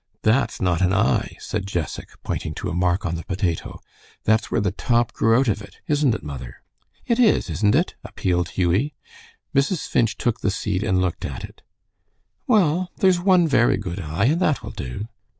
"That's not an eye," said Jessac, pointing to a mark on the potato; "that's where the top grew out of, isn't it, mother?" "It is, isn't it?" appealed Hughie. Mrs. Finch took the seed and looked at it. "Well, there's one very good eye, and that will do."